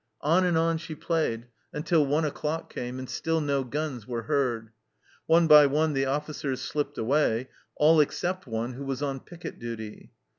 On and on she played, until one o'clock came, and still no guns were heard. One by one the officers slipped away, all except one who was on picket duty.